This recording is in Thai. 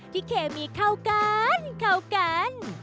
เคมีเข้ากันเข้ากัน